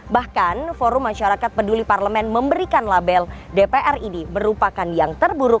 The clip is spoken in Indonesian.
bahkan forum masyarakat peduli parlemen memberikan label dpr ini merupakan yang terburuk